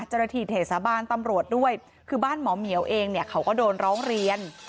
เจ้าหน้าที่เทศบาลตำรวจด้วยคือบ้านหมอเหมียวเองเนี่ยเขาก็โดนร้องเรียน